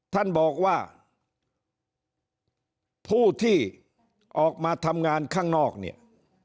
ท่านบอกว่าผู้ที่ออกมาทำงานข้างนอกเนี่ย